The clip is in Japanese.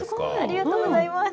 ありがとうございます。